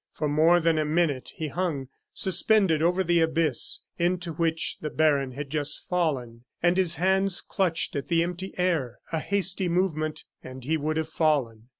For more than a minute he hung suspended over the abyss into which the baron had just fallen, and his hands clutched at the empty air. A hasty movement, and he would have fallen.